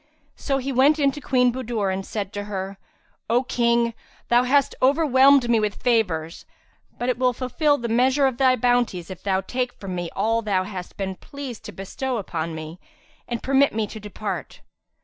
So he went in to Queen Budur and said to her, "O King, thou hast overwhelmed me with favours, but it will fulfil the measure of thy bounties if thou take from me all thou hast been pleased to bestow upon me, and permit me to depart."